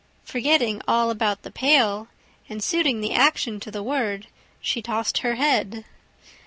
Forgetting all about the pail, and suiting the action to the word, she tossed her head.